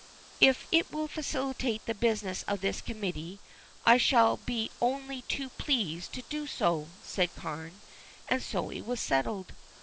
"If it will facilitate the business of this committee I shall be only too pleased to do so," said Carne, and so it was settled.